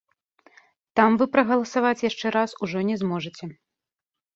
Там вы прагаласаваць яшчэ раз ужо не зможаце.